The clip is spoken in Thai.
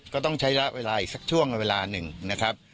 ก็ต้องใช้ระยะเวลาอีกสักช่วงเวลาหนึ่งนะครับ